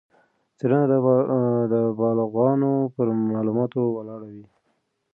څېړنه د بالغانو پر معلوماتو ولاړه وه.